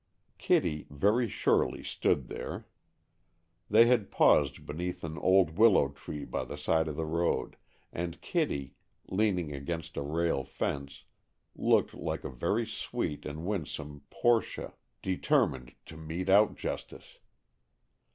Kitty very surely stood there. They had paused beneath an old willow tree by the side of the road, and Kitty, leaning against a rail fence, looked like a very sweet and winsome Portia, determined to mete out justice.